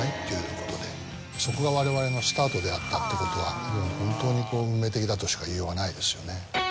そこがわれわれのスタートであったってことは本当に運命的だとしか言いようがないですよね。